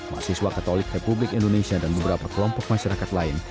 mahasiswa katolik republik indonesia dan beberapa kelompok masyarakat lain